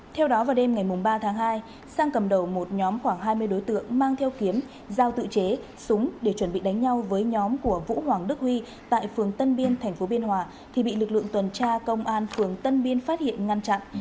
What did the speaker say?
theo đó vào đêm ngày ba tháng hai sang cầm đầu một nhóm khoảng hai mươi đối tượng mang theo kiếm giao tự chế súng để chuẩn bị đánh nhau với nhóm của vũ hoàng đức huy tại phường tân biên tp biên hòa thì bị lực lượng tuần tra công an phường tân biên phát hiện ngăn chặn